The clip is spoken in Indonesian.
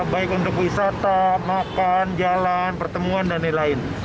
baik untuk wisata makan jalan pertemuan dan lain lain